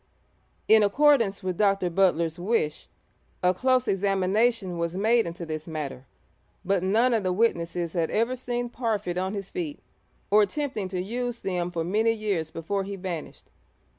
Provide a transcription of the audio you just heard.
In accordance with Dr. Butler's wish, a close examination was made into this matter, but none of the witnesses had ever seen Parfitt on his feet or attempting to use them for many years before he vanished.